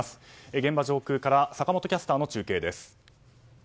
現場上空から坂元キャスターの中継です。